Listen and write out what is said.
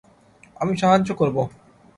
আমি সাহায্য করবো।